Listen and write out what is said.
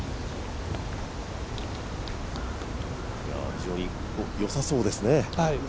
非常に良さそうですね。